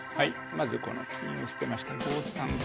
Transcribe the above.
まずこの金を捨てまして５三金。